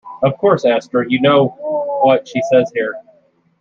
Of course, Esther, you know what she says here?